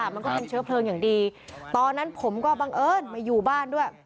มันก็เป็นเชื้อเพลิงอย่างดีตอนนั้นผมก็บังเอิญมาอยู่บ้านด้วย